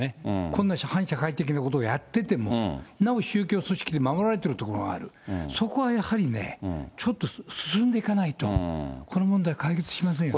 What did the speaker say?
こんな反社会的なことをやってても、なお宗教組織で守られているところがある、そこはやはりね、ちょっと進んでいかないと、この問題、解決しませんよね。